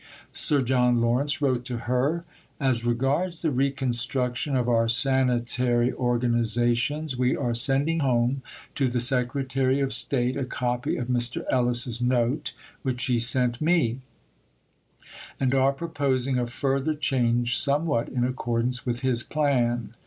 Sir John Lawrence wrote to her: "As regards the reconstruction of our sanitary organizations, we are sending home to the Secretary of State a copy of Mr. Ellis's note which he sent me, and are proposing a further change somewhat in accordance with his plan.